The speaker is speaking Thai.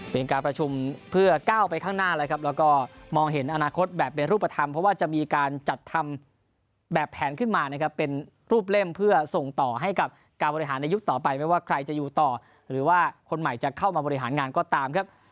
เป็นการประชุมเพื่อก้าวไปข้างหน้าแล้วครับแล้วก็มองเห็นอนาคตแบบเป็นรูปธรรมเพราะว่าจะมีการจัดทำแบบแผนขึ้นมานะครับเป็นรูปเล่มเพื่อส่งต่อให้กับการบริหารในยุคต่อไปไม่ว่าใครจะอยู่ต่อหรือว่าคนใหม่จะเข้ามาบริหารงานก็ตามครับ